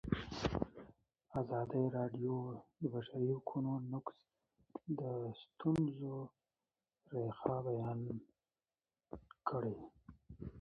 ازادي راډیو د د بشري حقونو نقض د ستونزو رېښه بیان کړې.